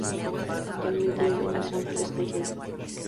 Actualmente vive en Los Ángeles con su hija.